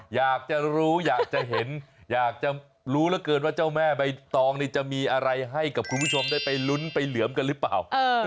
อยากจะรู้อยากจะเห็นอยากจะรู้เหลือเกินว่าเจ้าแม่ใบตองนี่จะมีอะไรให้กับคุณผู้ชมได้ไปลุ้นไปเหลือมกันหรือเปล่า